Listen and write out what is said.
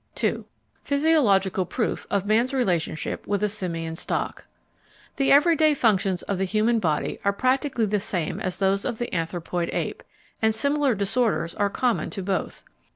§ 2 Physiological Proof of Man's Relationship with a Simian Stock The everyday functions of the human body are practically the same as those of the anthropoid ape, and similar disorders are common to both.